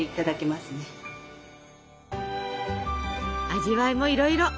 味わいもいろいろ！